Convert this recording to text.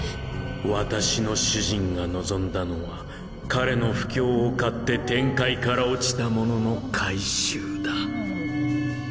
私の主人が望んだのは彼の不興をかって天界からおちた者の回収だ。